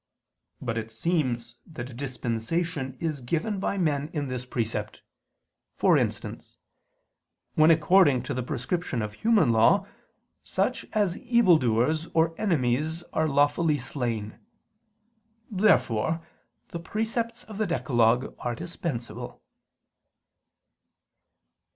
But it seems that a dispensation is given by men in this precept: for instance, when according to the prescription of human law, such as evil doers or enemies are lawfully slain. Therefore the precepts of the decalogue are dispensable.